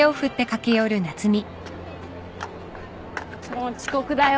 もう遅刻だよ。